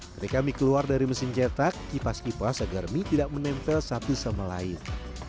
ketika mie keluar dari mesin cetak kipas kipas agar mie tidak menempel satu sama lain